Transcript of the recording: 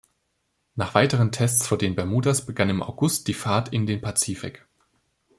Nach weiteren Tests vor den Bermudas begann im August die Fahrt in den Pazifik.